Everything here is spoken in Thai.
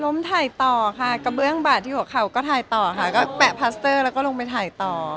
ถ่ายต่อค่ะกระเบื้องบาดที่หัวเข่าก็ถ่ายต่อค่ะก็แปะพาสเตอร์แล้วก็ลงไปถ่ายต่อ